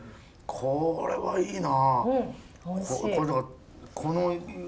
これはすごいな。